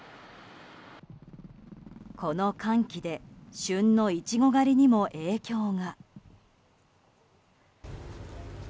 この寒気で旬のいちご狩りにも影響が。